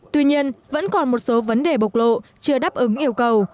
tuy nhiên vẫn còn một số vấn đề bộc lộ chưa đáp ứng yêu cầu